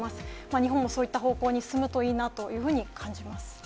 日本もそういった方向に進むといいなというふうに感じます。